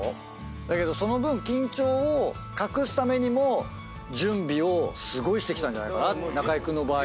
だけどその分緊張を隠すためにも準備をすごいしてきたんじゃないかな中居君の場合はね。